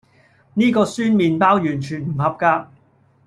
呢個酸麵包完全唔合格